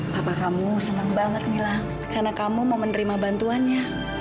bapak kamu senang banget bilang karena kamu mau menerima bantuannya